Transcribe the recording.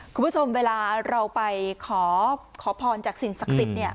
คุณผู้ชมเวลาไปขอพรจากศิลป์ศักดิ์ศักดิ์ศิลป์